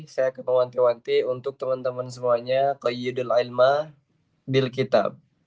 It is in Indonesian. saya kemewanti wanti untuk teman teman semuanya